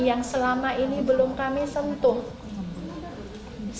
yang selama ini belum kami sentuh